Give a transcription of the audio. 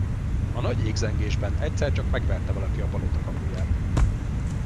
A nagy égzengésben egyszer csak megverte valaki a palota kapuját.